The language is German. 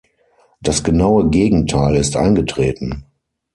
Das genaue Gegenteil ist eingetreten.